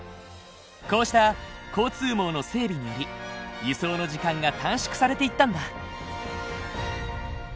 こうした交通網の整備により輸送の時間が短縮されていったんだ。